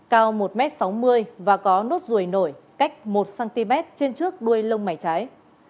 cao một m sáu mươi và có nốt ruồi nổi cách một cm trên trước đuôi lông mày trái